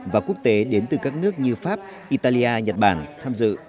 và quốc tế đến từ các nước như pháp italia nhật bản tham dự